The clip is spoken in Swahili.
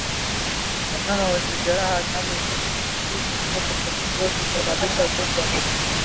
Wanyama wenye jeraha linaloruhusu vijidudu kuwepo kwenye ngozi husababisha ugonjwa huu